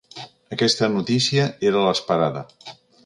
Aquesta notícia era l’esperada.